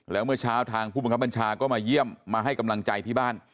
แล้วเมื่อเช้าทางผู้บังคับบัญชาก็มาเยี่ยมมาให้กำลังใจที่บ้าน